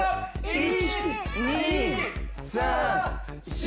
１２３４５。